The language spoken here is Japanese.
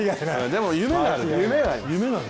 でも夢がある。